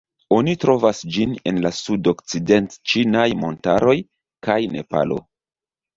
Oni trovas ĝin en la Sudokcident-ĉinaj Montaroj kaj Nepalo.